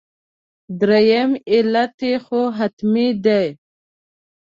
درېیم علت یې خو حتمي دی.